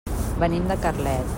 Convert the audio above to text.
Venim de Carlet.